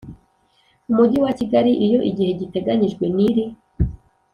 Umujyi wa Kigali iyo igihe giteganyijwe n iri